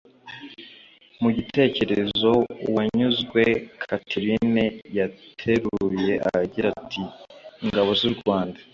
Mu gitekerezo Uwanyuzwe Catherine yateruye agira ati “’Ingabo z’u Rwanda’